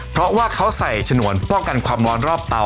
เพราะว่าเขาใส่ฉนวนป้องกันความร้อนรอบเตา